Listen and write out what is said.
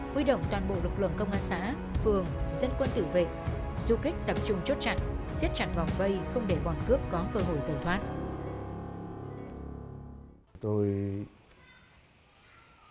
huy động toàn bộ lực lượng công an xã phường dân quân tử vệ du kích tập trung chốt chặn siết chặt vòng vây không để bọn cướp có cơ hội tẩu thoát